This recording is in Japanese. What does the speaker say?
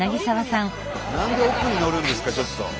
何で奥に乗るんですかちょっと。